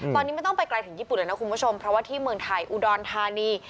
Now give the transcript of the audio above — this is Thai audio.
ตอนนี้ไม่ต้องไปไกลถึงญี่ปุ่นเลยนะคุณผู้ชมเพราะว่าที่เมืองไทยอุดรธานี